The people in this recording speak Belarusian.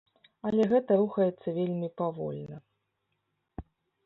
Але гэта рухаецца вельмі павольна.